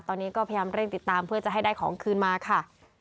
ตอนนี้ก็พยายามเร่งติดตามเพื่อจะให้ได้ของคืนมาค่ะ